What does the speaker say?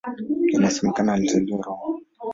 Inasemekana alizaliwa Roma, Italia.